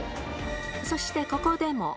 そして、ここでも。